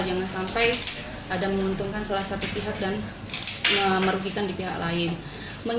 jangan sampai ada menguntungkan salah satu pihak dan merugikan di pihak lain